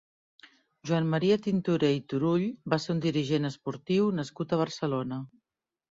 Joan Maria Tintoré i Turull va ser un dirigent esportiu nascut a Barcelona.